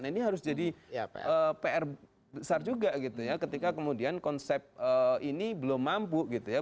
nah ini harus jadi pr besar juga gitu ya ketika kemudian konsep ini belum mampu gitu ya